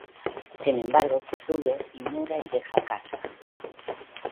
Sin embargo, Cthulhu ignora y deja a Cartman.